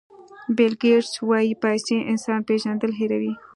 بیل ګېټس وایي پیسې انسان پېژندل هیروي.